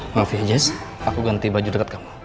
maaf ya jess aku ganti baju dekat kamu